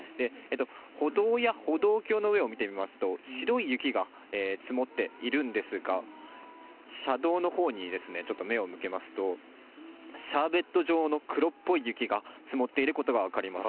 歩道や歩道橋の上を見てみますと、白い雪が積もっているんですが、車道のほうにちょっと目を向けますと、シャーベット状の黒っぽい雪が積もっていることが分かります。